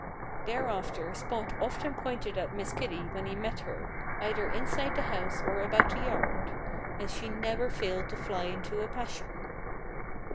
Thereafter Spot often pointed at Miss Kitty when he met her, either inside the house or about the yard. And she never failed to fly into a passion.